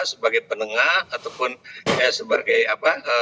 sebagai penengah ataupun sebagai apa